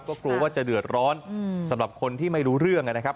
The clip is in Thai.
ก็กลัวว่าจะเดือดร้อนสำหรับคนที่ไม่รู้เรื่องนะครับ